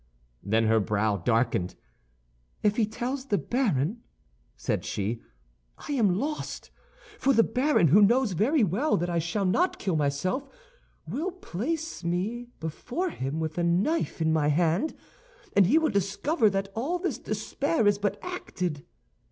Then her brow darkened. "If he tells the baron," said she, "I am lost—for the baron, who knows very well that I shall not kill myself, will place me before him with a knife in my hand, and he will discover that all this despair is but acted."